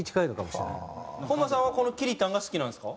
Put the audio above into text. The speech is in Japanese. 本間さんはこのきりたんが好きなんすか？